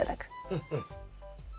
うんうん。